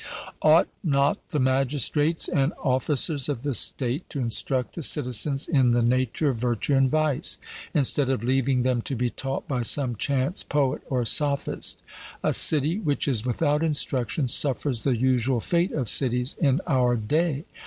Ought not the magistrates and officers of the state to instruct the citizens in the nature of virtue and vice, instead of leaving them to be taught by some chance poet or sophist? A city which is without instruction suffers the usual fate of cities in our day.